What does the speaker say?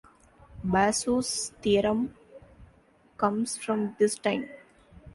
Basu's theorem comes from this time.